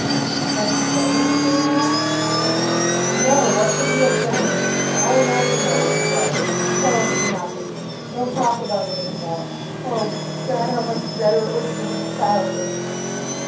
"Has he done anything, mamma?" "No. What should he have done? How am I to know what he does? He tells me nothing. Don't talk about it any more. Oh, God, how much better it would be to be childless!"